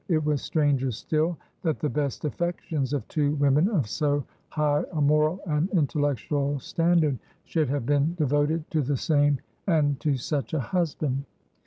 It was stranger still that the best affections of two women of so high a moral and intellectual standard should have been devoted to the same and to such a husband.